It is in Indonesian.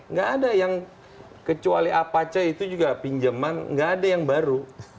nggak ada yang kecuali apache itu juga pinjaman nggak ada yang baru